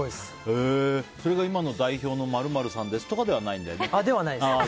それが今の代表の○○さんですとかではないんだよね？